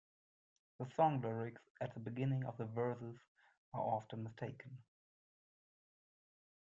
The song's lyrics at the beginning of the verses are often mistaken.